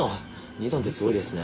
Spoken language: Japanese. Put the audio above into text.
２トンってすごいですね